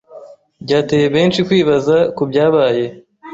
Byateye benshi kwibaza kubyabaye